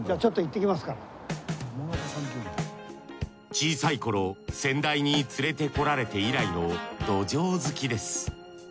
小さい頃先代に連れて来られて以来のどじょう好きです